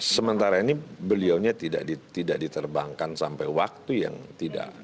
sementara ini beliaunya tidak diterbangkan sampai waktu yang tidak